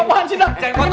apaan sih dong